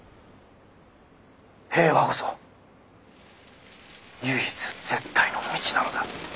平和こそ唯一絶対の道なのだ。